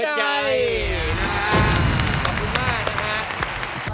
ขอบคุณมากนะครับ